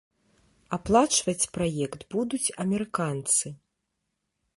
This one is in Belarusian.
Аплачваць праект будуць амерыканцы.